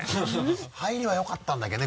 入りはよかったんだけどね